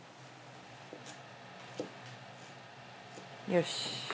よし！